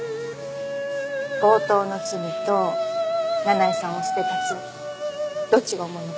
強盗の罪と七井さんを捨てた罪どっちが重いのかな？